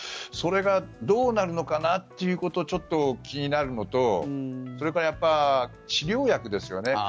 それがどうなるのかなということをちょっと気になるのとそれから、治療薬ですよね。